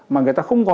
mà người ta không có